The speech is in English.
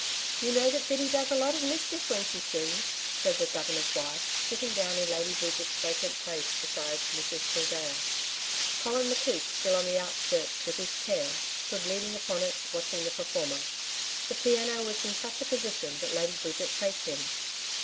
'YOU know that Biddy does a lot of mischief when she sings,' said the Governor's wife, sitting down in Lady Bridget's vacant place beside Mrs Gildea. Colin McKeith, still on the outskirts with his chair, stood leaning upon it, watching the performer. The piano was in such a position that Lady Bridget faced him.